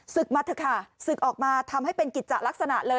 มาเถอะค่ะศึกออกมาทำให้เป็นกิจจะลักษณะเลย